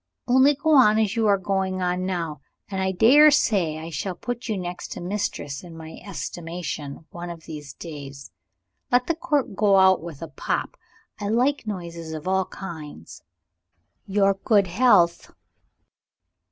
Only go on as you are going on now, and I dare say I shall put you next to Mistress in my estimation, one of these days. Let the cork go out with a pop; I like noises of all kinds. Your good health!